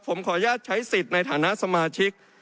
ผมขออนุญาตใช้สิทธิ์ในฐานะสมาชิก